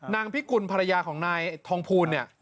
พิกุลภรรยาของนายทองภูลเนี่ย